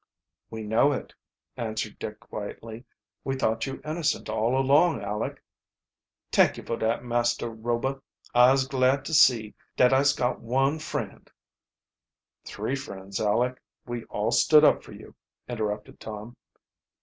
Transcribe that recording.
"We know it," answered Dick quietly. "We thought you innocent all along, Aleck." "T'ank yo' fo' dat, Master Rober I'se glad to see dat I'se got one friend " "Three friends, Aleck we all stood up for you," interrupted Tom.